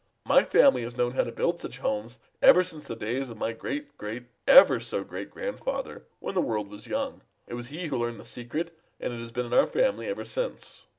My family has known how to build such homes ever since the days of my great great ever so great grandfather when the world was young. It was he who learned the secret, and it has been in our family ever since."